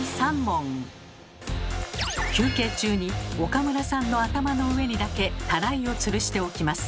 休憩中に岡村さんの頭の上にだけタライをつるしておきます。